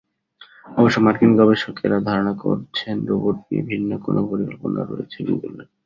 অবশ্য মার্কিন গবেষকেরা ধারণা করছেন, রোবট নিয়ে ভিন্ন কোনো পরিকল্পনা রয়েছে গুগলের।